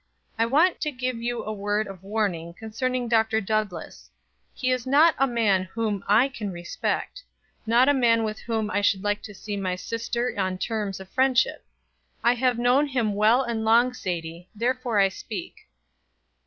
I want to give you a word of warning concerning Dr. Douglass. He is not a man whom I can respect; not a man with whom I should like to see my sister on terms of friendship. I have known him well and long, Sadie; therefore I speak."